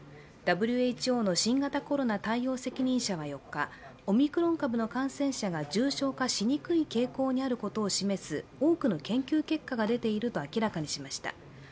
ＷＨＯの新型コロナ対応責任者は４日、オミクロン株の感染者が重症化しにくい傾向にあることを示す多くの研究結果が出ていると明らかにしました。